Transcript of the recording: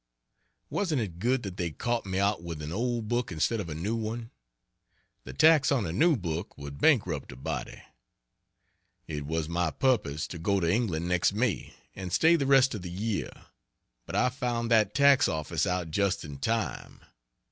Wasn't it good that they caught me out with an old book instead of a new one? The tax on a new book would bankrupt a body. It was my purpose to go to England next May and stay the rest of the year, but I've found that tax office out just in time.